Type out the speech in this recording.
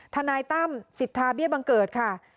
ทนายตั้มสิทธาเบี้ยบังเกิดค่ะ